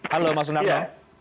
halo mas sundarma